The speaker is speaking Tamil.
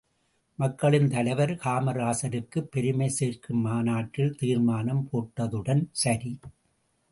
மக்களின் தலைவர் காமராசருக்குப் பெருமை சேர்க்கும் மாநாட்டில் தீர்மானம் போட்டதுடன் சரி!